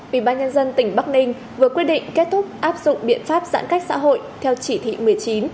ubnd tỉnh bắc ninh vừa quyết định kết thúc áp dụng biện pháp giãn cách xã hội theo chỉ thị một mươi chín